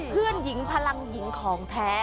เพื่อนหญิงพลังหญิงของแท้